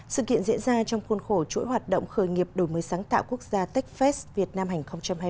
sự kiện diễn ra trong khuôn khổ chuỗi hoạt động khởi nghiệp đổi mới sáng tạo quốc gia techfest việt nam hành hai mươi